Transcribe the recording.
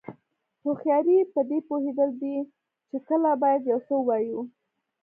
هوښیاري پدې پوهېدل دي چې کله باید یو څه ووایو.